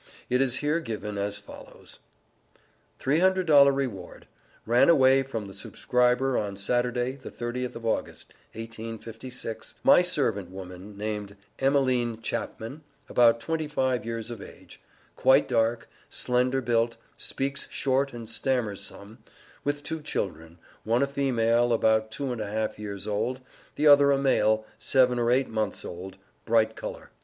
It is here given as follows: $300 REWARD. RAN AWAY from the subscriber on Saturday, the 30th of August, 1856, my SERVANT WOMAN, named EMELINE CHAPMAN, about 25 years of age; quite dark, slender built, speaks short, and stammers some; with two children, one a female about two and a half years old; the other a male, seven or eight months old, bright color.